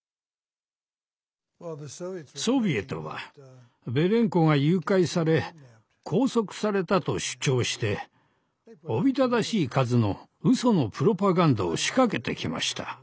ソビエトはベレンコが誘拐され拘束されたと主張しておびただしい数のうそのプロパガンダを仕掛けてきました。